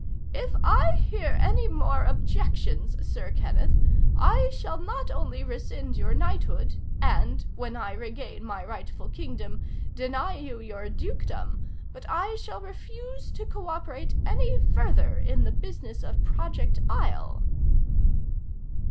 "If I hear any more objections, Sir Kenneth, I shall not only rescind your knighthood and when I regain my rightful kingdom deny you your dukedom, but I shall refuse to cooperate any further in the business of Project Isle."